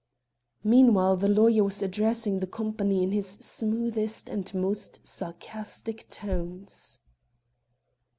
Meanwhile the lawyer was addressing the company in his smoothest and most sarcastic tones.